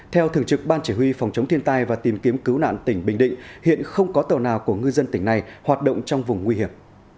theo thường trực ban chỉ huy phòng chống thiên tai và tìm kiếm cứu nạn tỉnh bình định hiện không có tàu nào của ngư dân tỉnh này hoạt động trong vùng nguy hiểm